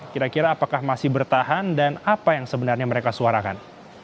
kira kira apakah masih bertahan dan apa yang sebenarnya mereka suarakan